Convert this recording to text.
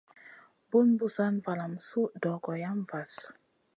Bun Busana valam su dogo yam vahl.